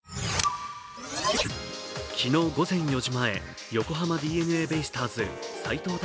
昨日午前４時前横浜ＤｅＮＡベイスターズ斎藤隆